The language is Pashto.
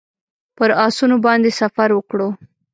پر آسونو باندې سفر وکړو.